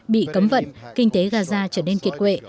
bị cấm vận kinh tế gaza trở nên kiệt quệ